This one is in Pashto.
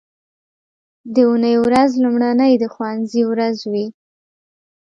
د اونۍ ورځ لومړنۍ د ښوونځي ورځ وي